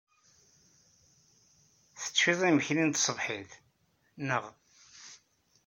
Teccid imekli n tṣebḥit, naɣ?